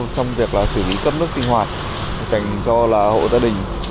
trong việc xử lý cấp nước sinh hoạt dành cho hộ gia đình